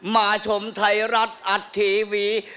มาชมไทยรัฐอัดทีวี